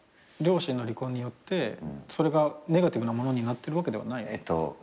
両親の離婚によってそれがネガティブなものになってるわけではないの？